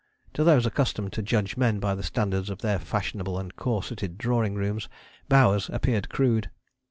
To those accustomed to judge men by the standards of their fashionable and corseted drawing rooms Bowers appeared crude.